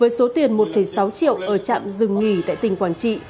với số tiền một sáu triệu ở trạm dừng nghỉ tại tỉnh quảng trị